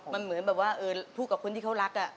มันเหมือนแบบว่าพูดกับคนที่เขารัก